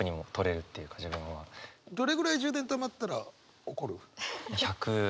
どれぐらい充電たまったら怒る？